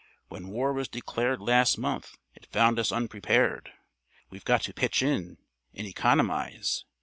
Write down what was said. When war was declared last month it found us unprepared. We've got to pitch in and economize.